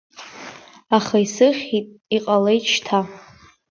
Аха исыхьит, иҟалеит шьҭа.